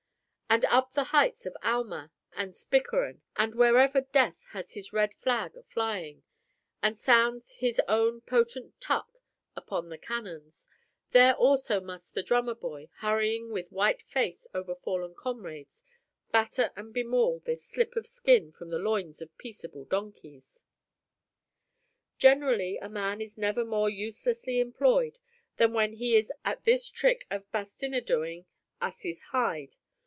And up the heights of Alma and Spicheren, and wherever death has his red flag a flying, and sounds his own potent tuck upon the cannons, there also must the drummer boy, hurrying with white face over fallen comrades, batter and bemaul this slip of skin from the loins of peaceable donkeys. Generally a man is never more uselessly employed than when he is at this trick of bastinadoing asses' hide.